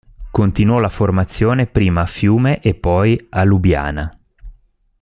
Continuò la formazione prima a Fiume e poi a Lubiana.